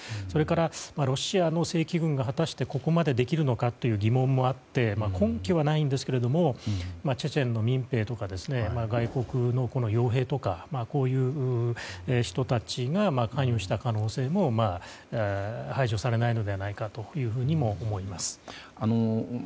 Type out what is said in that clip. それから、ロシアの正規軍が果たしてここまでできるのかという疑問もあって根拠はないんですけれどもチェチェンの民兵とか外国の傭兵とかこういう人たちが関与した可能性も排除されないのではないかと思います。